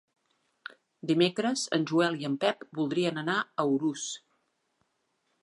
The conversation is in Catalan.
Dimecres en Joel i en Pep voldrien anar a Urús.